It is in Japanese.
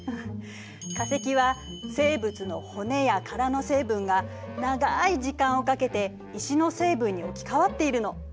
化石は生物の骨や殻の成分が長い時間をかけて石の成分に置き換わっているの。